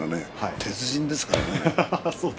鉄人ですからね。